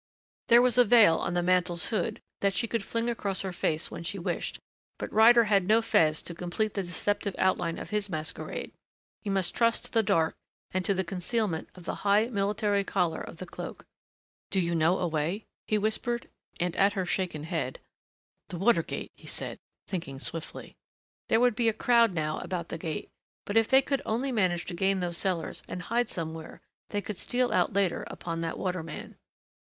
There was a veil on the mantle's hood that she could fling across her face when she wished, but Ryder had no fez to complete the deceptive outline of his masquerade. He must trust to the dark and to the concealment of the high, military collar of the cloak. "Do you know a way?" he whispered and at her shaken head, "The water gate," he said, thinking swiftly. There would be a crowd now about the gate, but if they could only manage to gain those cellars and hide somewhere they could steal out later upon that waterman.